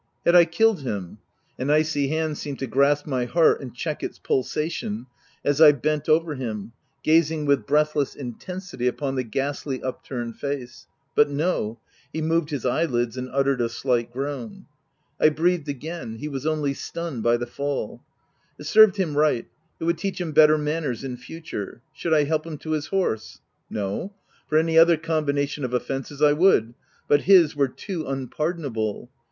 Had I killed him ?— an icy hand seemed to grasp my heart and check its pulsation, as I bent over him, gazing with breathless intensity upon the ghastly, upturned face. But no ; he moved OF WILDFELL HALL. 239 his eyelids and uttered a slight groan. I breathed again —■ he was only stunned by the fall. It served him right — it would teach him better manners in future. Should I help him to his horse ? No. For any other combination of offences I would; but his were too unpardon able.